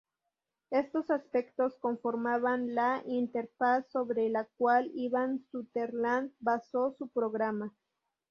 Estos aspectos conformaban la interfaz sobre la cual Ivan Sutherland basó su programa.